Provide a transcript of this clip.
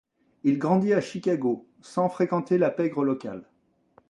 Il grandit à Chicago, sans fréquenter la pègre locale.